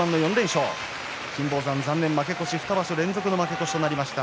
金峰山は２場所連続の負け越しとなりました。